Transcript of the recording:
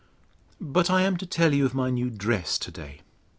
—But I am to tell you of my new dress to day.